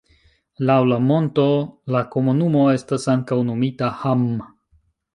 Laŭ la monto la komunumo estas ankaŭ nomita Hamm.